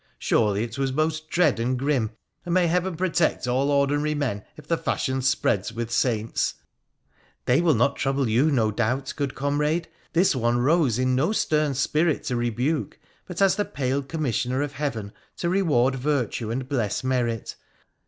Surely it was most dread and grim, and may Heaven protect all ordinary men if the fashion spreads with saints !'' They will not trouble you, no doubt, good comrade. This one rose in no stern spirit to rebuke, but as the pale commis sioner of Heaven to reward virtue and bless merit.